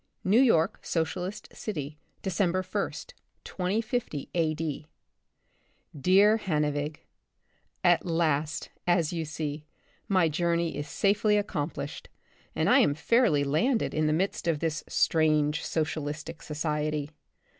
I. New York Socialistic City, December ist, 2050 A. D. Dear Hannevig : At last, as you see, my journey is safely accomplished, and I am fairly landed in the midst of this strange socialistic society.